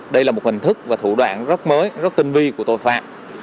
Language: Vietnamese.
đây là một hình thức và thủ đoạn rất mới rất tinh vi của tội phạm